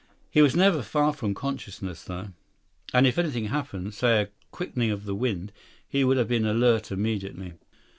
He was never far from consciousness, though. And if anything happened—say a quickening of the wind—he would have been alert immediately.